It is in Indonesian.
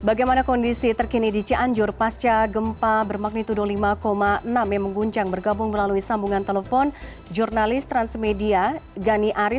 bagaimana kondisi terkini di cianjur pasca gempa bermagnitudo lima enam yang mengguncang bergabung melalui sambungan telepon jurnalis transmedia gani aris